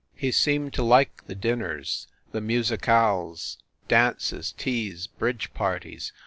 He seemed to like the dinners, the musicales, dances, teas, bridge parties.